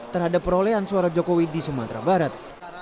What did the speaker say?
terhadap perolehan suara jokowi di sumatera barat